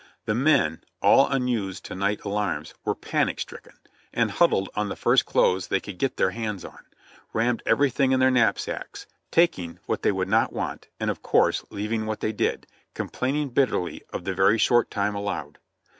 The men, all unused to night alarms, were panic stricken, and huddled on the first clothes they could get their hands on ; rammed everything in their knapsacks, tak ing what they would not want and of course leaving what they did, complaining bitterly of the very short time allowed.